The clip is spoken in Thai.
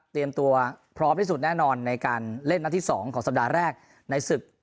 ตัวพร้อมที่สุดแน่นอนในการเล่นนัดที่๒ของสัปดาห์แรกในศึก